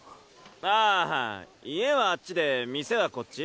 ああ家はあっちで店はこっち。